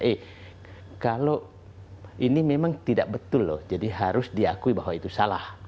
eh kalau ini memang tidak betul loh jadi harus diakui bahwa itu salah